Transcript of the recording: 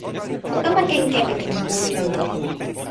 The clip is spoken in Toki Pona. o kama ken kepeken e mun ilo lukin